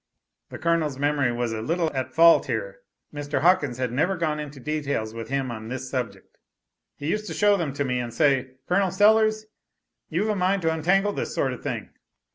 [The Colonel's memory was a little at fault here. Mr. Hawkins had never gone into details with him on this subject.] He used to show them to me, and say, 'Col, Sellers you've a mind to untangle this sort of thing.'